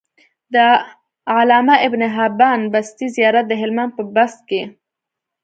د علامه ابن حبان بستي زيارت د هلمند په بست کی